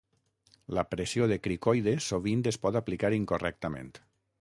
La pressió de cricoide sovint es pot aplicar incorrectament.